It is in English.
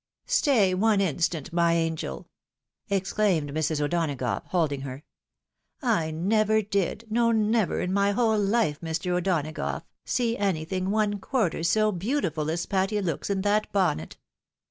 " Stay one instant, my angel !" exclaimed Mrs. O'Dona gough, holding her ;" I never did, no never in my whole hfe, Mr. O'Donagough, see anything one quarter so beautiful as Patty looks in that bonnet